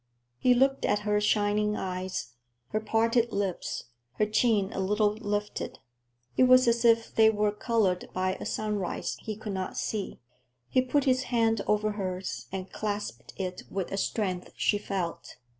He looked at her shining eyes, her parted lips, her chin a little lifted. It was as if they were colored by a sunrise he could not see. He put his hand over hers and clasped it with a strength she felt.